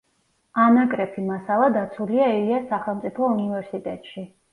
ანაკრეფი მასალა დაცულია ილიას სახელმწიფო უნივერსიტეტში.